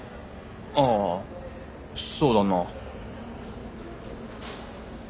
ああそうだなあ。